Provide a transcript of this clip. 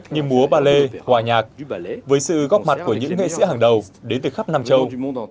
như múa ballet hòa nhạc với sự góc mặt của những nghệ sĩ hàng đầu đến từ khắp nam châu